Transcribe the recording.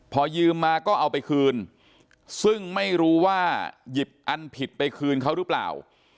พอยืมมาก็เอาไปคืนซึ่งไม่รู้ว่าหยิบอันผิดไปคืนเขาหรือเปล่า